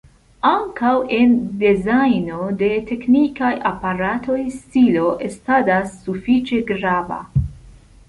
Ankaŭ en dezajno de teknikaj aparatoj stilo estadas sufiĉe grava.